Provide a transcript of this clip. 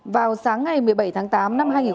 vào sáng ngày một mươi bảy tháng tám